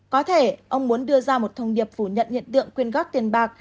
có thể ông muốn đưa ra một thông điệp phủ nhận hiện tượng quyên góp tiền bạc